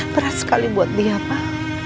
keras sekali buat dia pak